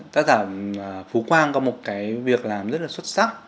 tác giả phú quang có một cái việc làm rất là xuất sắc